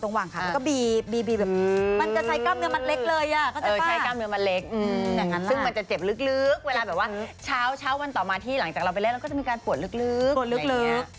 เราก็จะมีการปวดลึก